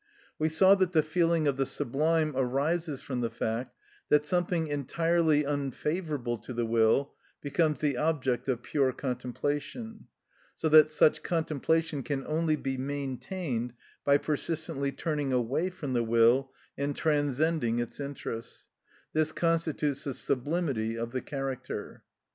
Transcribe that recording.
We saw that the feeling of the sublime arises from the fact, that something entirely unfavourable to the will, becomes the object of pure contemplation, so that such contemplation can only be maintained by persistently turning away from the will, and transcending its interests; this constitutes the sublimity of the character.